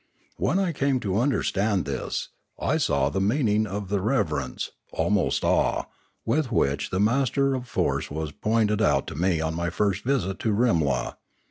When I came to understand this, I saw the meaning of the reverence, almost awe, with which the master of force was pointed out to me on my first visit to Rimla.